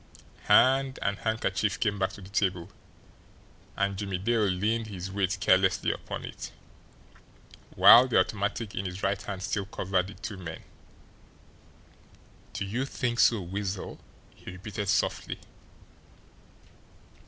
Hand and handkerchief came back to the table, and Jimmie Dale leaned his weight carelessly upon it, while the automatic in his right hand still covered the two men. "Do you think so, Weasel?" he repeated softly.